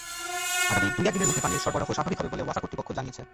আগামী দুই-এক দিনের মধ্যে পানির সরবরাহ স্বাভাবিক হবে বলে ওয়াসা কর্তৃপক্ষ জানিয়েছে।